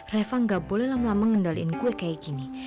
reva gak boleh lama lama ngendalikan gue kayak gini